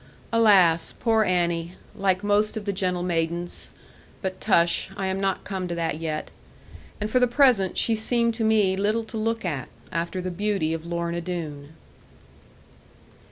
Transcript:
Alas! poor Annie, like most of the gentle maidens but tush, I am not come to that yet; and for the present she seemed to me little to look at, after the beauty of Lorna Doone.